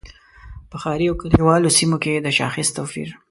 په ښاري او کلیوالي سیمو کې د شاخص توپیر.